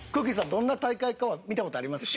どんな大会かは見た事ありますか？